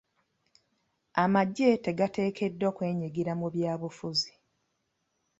Amagye tegateekeddwa kwenyigira mu byabufuzi.